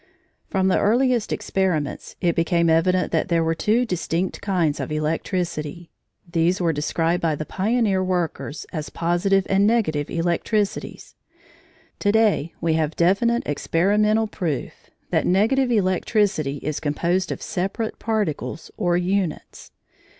From the earliest experiments it became evident that there were two distinct kinds of electricity. These were described by the pioneer workers as positive and negative electricities. To day we have definite experimental proof that negative electricity is composed of separate particles or units.